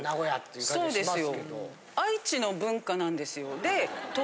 そうですよ。